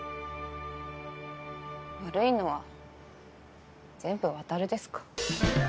悪いのは全部渉ですか？